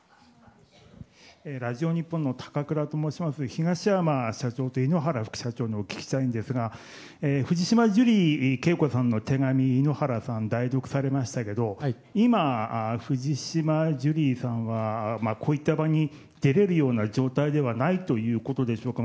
東山社長と井ノ原副社長にお聞きしたいんですが藤島ジュリー景子さんの手紙を井ノ原さん、代読されましたけど今、藤島ジュリーさんはこういった場に出れるような状態ではないということでしょうか。